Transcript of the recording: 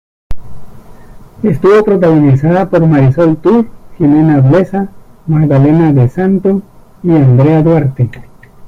Estuvo protagonizada por Marisol Tur, Gimena Blesa, Magdalena De Santo y Andrea Duarte.